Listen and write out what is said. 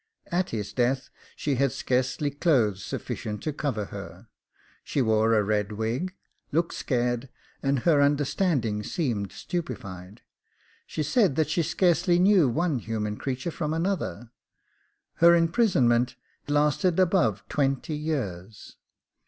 At his death she had scarcely clothes sufficient to cover her; she wore a red wig, looked scared, and her understanding seemed stupefied; she said that she scarcely knew one human creature from another; her imprisonment lasted above twenty years.